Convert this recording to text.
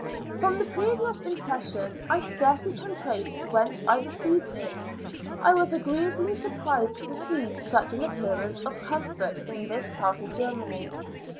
From the previous impression I scarcely can trace whence I received it I was agreeably surprised to perceive such an appearance of comfort in this part of Germany.